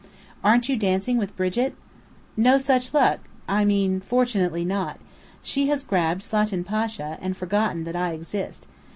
"Aren't you dancing with Brigit?" "No such luck I mean, fortunately not. She has grabbed Slatin Pasha, and forgotten that I exist.